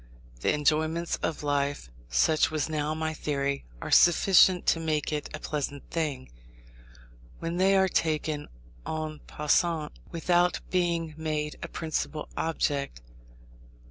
The enjoyments of life (such was now my theory) are sufficient to make it a pleasant thing, when they are taken en passant, without being made a principal object.